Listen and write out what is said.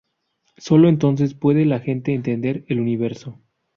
Sólo entonces puede la gente entender el universo.